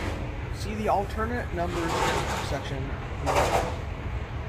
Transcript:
See the alternate numbers section below.